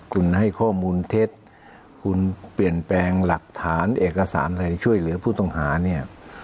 คุณให้ข้อมูลเท็จคุณเปลี่ยนแปลงหลักฐานเอกสารอะไรช่วยเหลือผู้ต้องหาเนี่ย